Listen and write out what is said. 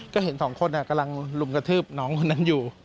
ก็เห็นสองคนกำลังลุมกระทืบน้องคนนั้นอยู่